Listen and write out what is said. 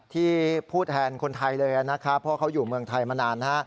ที่พูดแทนคนไทยเลยนะครับเพราะเขาอยู่เมืองไทยมานาน